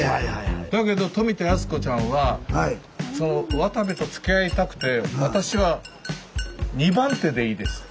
だけど富田靖子ちゃんはその渡部とつきあいたくて「私は２番手でいいです」って。